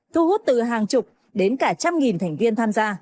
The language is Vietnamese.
thu hút từ hàng chục đến cả trăm nghìn thành viên